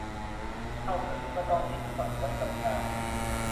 เข้าตึกก็ต้องทิ้งบัตรไว้กับยาม